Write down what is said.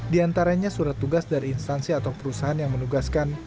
di antaranya surat tugas dari instansi atau perusahaan yang menugaskan